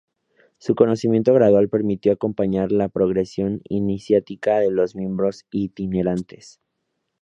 Su conocimiento gradual permitió acompañar la progresión iniciática de los miembros itinerantes.